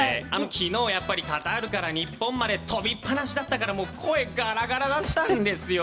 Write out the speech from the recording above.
昨日、やっぱりカタールから日本まで飛びっぱなしだったから声がガラガラだったんですよ。